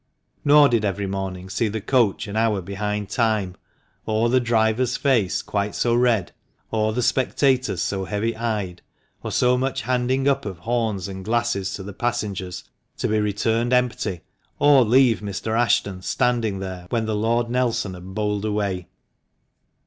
Nor did every morning see the coach an hour behind time, or the driver's face quite so red, or the spectators so heavy eyed, or so much handing up of horns and glasses to the passengers, to be returned empty, or leave Mr. Ashton standing there when the "Lord Nelson" had bowled away.